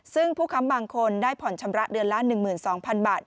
ซึ่งผู้ค้ำบางคนได้ผ่อนชำระเดือนละ๑๒๐๐๐บาท